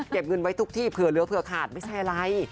เงินไว้ทุกที่เผื่อเหลือเผื่อขาดไม่ใช่อะไร